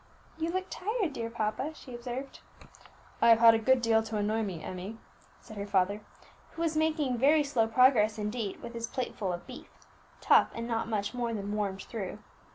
"You look tired, dear papa," she observed. "I have had a good deal to annoy me, Emmie," said her father, who was making very slow progress indeed with his plateful of beef, tough and not much more than warmed through.